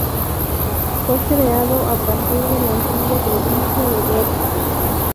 Fue creado a partir de la antigua provincia de Berry.